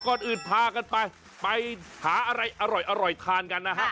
ก่อนอื่นพากันไปไปหาอะไรอร่อยทานกันนะฮะ